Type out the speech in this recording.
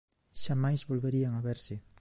Xamais volverían a verse.